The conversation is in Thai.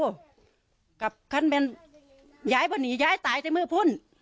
ภรรยาก็บอกว่านายเทวีอ้างว่าไม่จริงนายทองม่วนขโมย